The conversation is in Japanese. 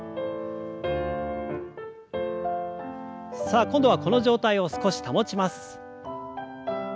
さあ今度はこの状態を少し保ちます。